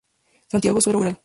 Santiago Suero, Gral.